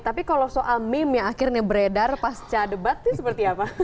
tapi kalau soal meme yang akhirnya beredar pasca debat itu seperti apa